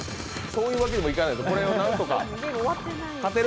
そういうわけにもいかないですよ、これをなんとか。